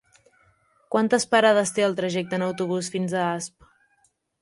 Quantes parades té el trajecte en autobús fins a Asp?